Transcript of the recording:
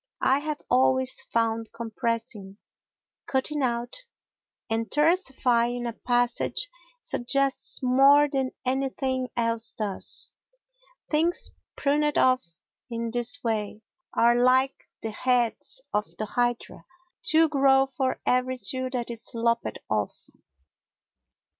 I have always found compressing, cutting out, and tersifying a passage suggests more than anything else does. Things pruned off in this way are like the heads of the hydra, two grow for every two that is lopped off.